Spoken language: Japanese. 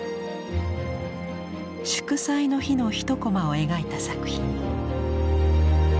祝祭の日の一コマを描いた作品。